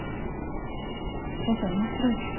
先生面白いですね。